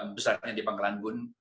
besarnya di bangkalan pun